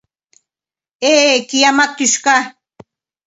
Э... киямат тӱшка!..